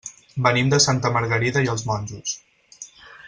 Venim de Santa Margarida i els Monjos.